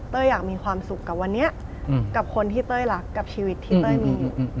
อยากมีความสุขกับวันนี้กับคนที่เต้ยรักกับชีวิตที่เต้ยมี